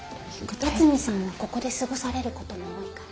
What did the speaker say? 八海さんはここで過ごされることも多いから。